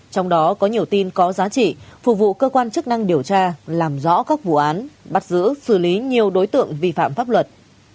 trong đó có nhiều tin có giá trị phục vụ cơ quan chức năng điều tra làm rõ các vụ án bắt giữ xử lý nhiều đối tượng vi phạm pháp luật